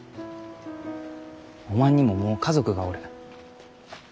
おまんにももう家族がおる。